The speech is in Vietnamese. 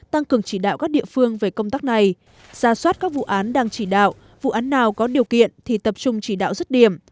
tăng cường chỉ đạo các địa phương về công tác này ra soát các vụ án đang chỉ đạo vụ án nào có điều kiện thì tập trung chỉ đạo rứt điểm